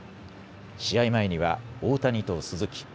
試合前には大谷と鈴木。